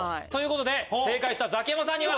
正解したザキヤマさんには。